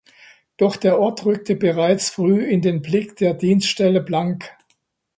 Doch der Ort rückte bereits früh in den Blick der Dienststelle Blank.